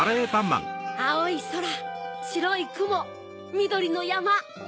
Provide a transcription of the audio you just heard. あおいそらしろいくもみどりのやま！